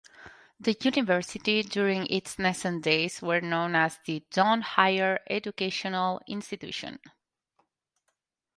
The university during its nascent days were known as the Don higher educational institution.